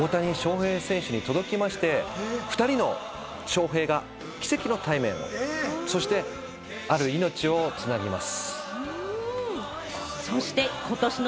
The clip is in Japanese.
その思いが、大谷翔平選手に届きまして、２人が奇跡の対面を、そして、ある命を繋ぎます。